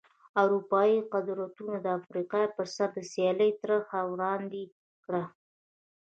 اروپايي قدرتونو د افریقا پر سر د سیالۍ طرحه وړاندې کړه.